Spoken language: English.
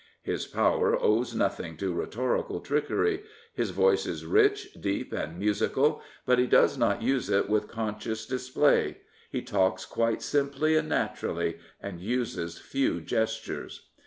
His power owes nothing to rhetorical trickery. His voice is rich, deep, and musical; but he does not use it with conscious dis play. He talks quite simply and naturally, and uses few gestures.